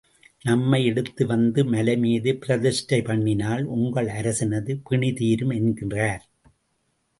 நம்மை எடுத்து வந்து மலை மீது பிரதிஷ்டை பண்ணினால், உங்கள் அரசனது பிணீ தீரும் என்கிறார்.